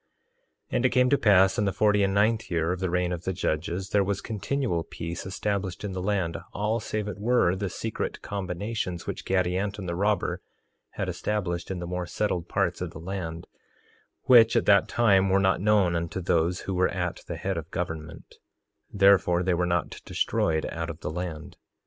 3:23 And it came to pass in the forty and ninth year of the reign of the judges, there was continual peace established in the land, all save it were the secret combinations which Gadianton the robber had established in the more settled parts of the land, which at that time were not known unto those who were at the head of government; therefore they were not destroyed out of the land.